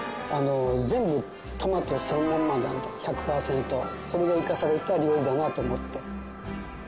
全部トマト１００パーセントそれが生かされた料理だなと思って。